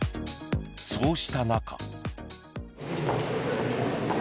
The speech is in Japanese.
そうした中。